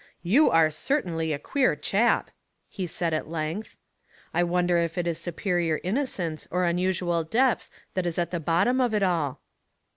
" You are certainly a queer chap," he said, at length. " I wonder if it is superior innocence or unusual depth that is at the bottom of it all?